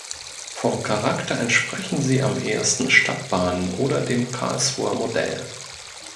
Vom Charakter entsprechen sie am ehesten Stadtbahnen oder dem Karlsruher Modell.